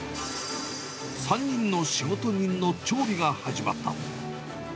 ３人の仕事人の調理が始まった。